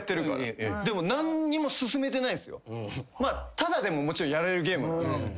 タダでももちろんやれるゲーム。